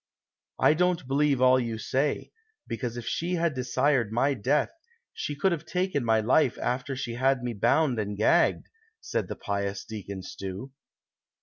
" I don't believe all you say ; because if she had desired my death, she could have taken my life after she had me bound and gagged," said the pious Deacon Stew.